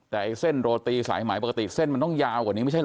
แต่เซ่นโรตีย์สายหมายปกติเซ่นมันต้องยาวกว่านี้มันไม่ใช่เหรอ